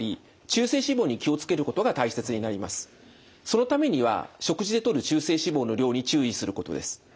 そのためには食事でとる中性脂肪の量に注意することです。